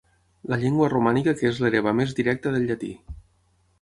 La llengua romànica que és l'hereva més directa del llatí.